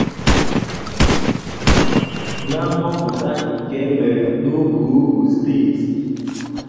Na nhọpụta nke e mere n'ogoogo steeti